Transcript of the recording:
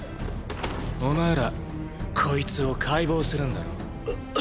お前らこいつを解剖するんだろ？